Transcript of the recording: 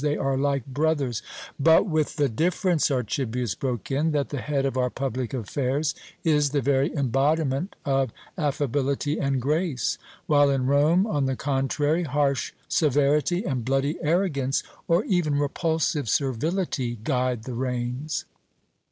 They are like brothers " "But with the difference," Archibius broke in, "that the head of our public affairs is the very embodiment of affability and grace; while in Rome, on the contrary, harsh severity and bloody arrogance, or even repulsive servility, guide the reins."